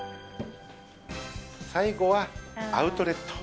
最後はアウトレット。